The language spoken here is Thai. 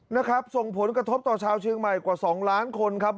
นะครับส่งผลกระทบต่อชาวเชียงใหม่กว่า๒ล้านคนครับ